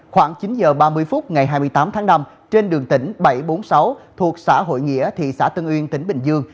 khoảng chín h ba mươi phút ngày hai mươi tám tháng năm trên đường tỉnh bảy trăm bốn mươi sáu thuộc xã hội nghĩa thị xã tân uyên tỉnh bình dương